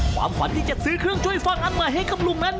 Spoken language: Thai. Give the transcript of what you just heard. ความฝันที่จะซื้อเครื่องช่วยฟังอันใหม่ให้กับลุงนั้น